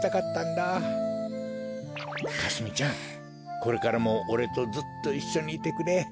これからもおれとずっといっしょにいてくれ。